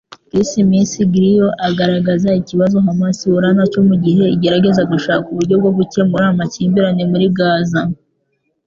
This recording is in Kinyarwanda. Chris McGreal agaragaza ikibazo Hamas ihura nacyo mu gihe igerageza gushaka uburyo bwo gukemura amakimbirane muri Gaza.